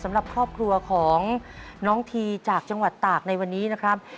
สำหรับครอบครัวของน้องทีจากจังหวัดตากในวันนี้นะครับ